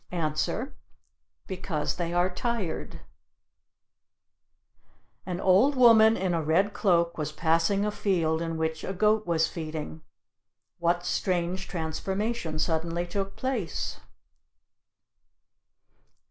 Answer: Because they are tired. An old woman in a red cloak was passing a field in which a goat was feeding. What strange transformation suddenly took place?